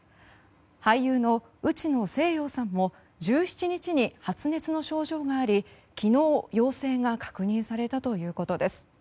俳優の内野聖陽さんも１７日に発熱の症状があり昨日、陽性が確認されたということです。